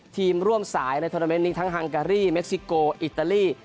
ทีมร่วมสายในโทรเมนต์นี้ทั้งฮังการีเม็กซิโกอิตาลี